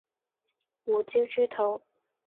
胡椒豬肚